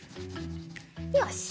よし！